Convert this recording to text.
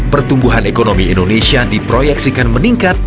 pertumbuhan ekonomi indonesia diproyeksikan meningkat